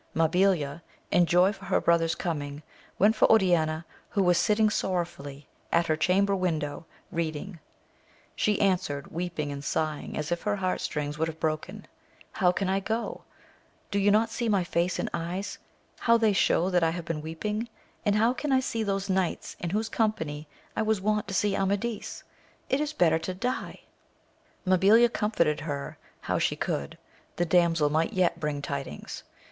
Mabiha, in joy for her brother's coming, went for Oriana, who was sitting sorrowfully at her chamber window, read AMADIS OF GAUL. 7 ing. She answered, weeping and sighing as if her heart strings would have broken. How can I go ? do you not see my face and eyes, how they show that I have been weeping ? and how can I see those knights in whose company I was wont to see Amadis : it is better to die ! Mabilia comforted her how she could :— ^the damsel might yet bring tidings.